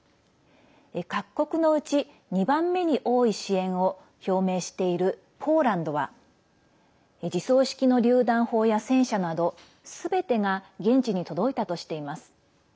各国のうち２番目に多い支援を表明しているポーランドは自走式のりゅう弾砲や戦車などすべてが現地に届いたとしています。